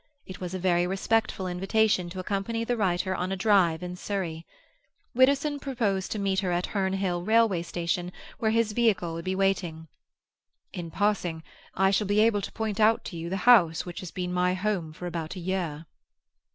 It was a very respectful invitation to accompany the writer on a drive in Surrey. Widdowson proposed to meet her at Herne Hill railway station, where his vehicle would be waiting. "In passing, I shall be able to point out to you the house which has been my home for about a year."